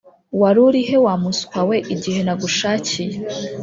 warurihe wamuswawe igihe nagushakiye